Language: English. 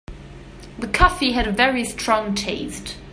The coffee had a very strong taste.